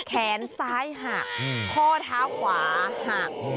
แขนซ้ายหักข้อเท้าขวาหัก